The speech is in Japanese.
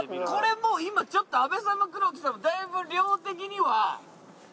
これもう今ちょっと阿部さんも黒木さんもだいぶ量的には。